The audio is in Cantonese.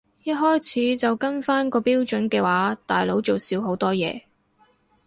一開始就跟返個標準嘅話大佬做少好多嘢